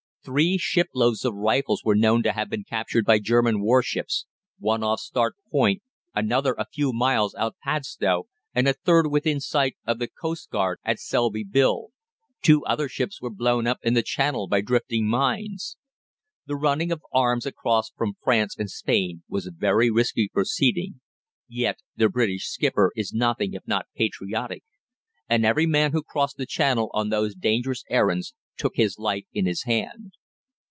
Three shiploads of rifles were known to have been captured by German warships, one off Start Point, another a few miles outside Padstow, and a third within sight of the coastguard at Selsey Bill. Two other ships were blown up in the Channel by drifting mines. The running of arms across from France and Spain was a very risky proceeding; yet the British skipper is nothing if not patriotic, and every man who crossed the Channel on those dangerous errands took his life in his hand.